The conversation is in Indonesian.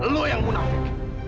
lo yang munafik